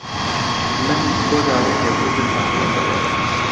من بۆ داوای لێبوردن هاتوومەتە ئێرە.